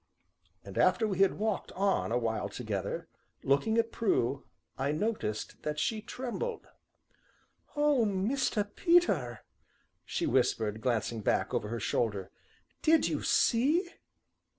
And, after we had walked on a while together, looking at Prue, I noticed that she trembled. "Oh, Mr. Peter," she whispered, glancing back over her shoulder, "did ye see?"